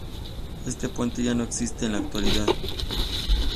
Este puente ya no existe en la actualidad.